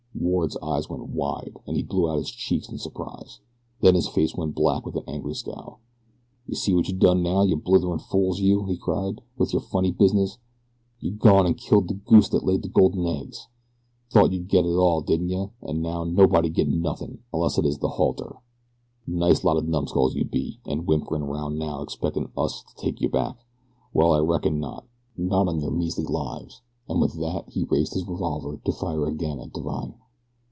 Ward's eyes went wide, and he blew out his cheeks in surprise. Then his face went black with an angry scowl. "You see what you done now, you blitherin' fools, you!" he cried, "with your funny business? You gone an' killed the goose what laid the golden eggs. Thought you'd get it all, didn't you? and now nobody won't get nothin', unless it is the halter. Nice lot o' numbskulls you be, an' whimperin' 'round now expectin' of us to take you back well, I reckon not, not on your measly lives," and with that he raised his revolver to fire again at Divine.